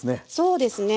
そうですね。